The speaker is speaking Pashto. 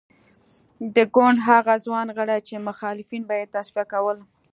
د ګوند هغه ځوان غړي چې مخالفین به یې تصفیه کول.